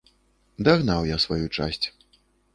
Дагнаў я сваю часць.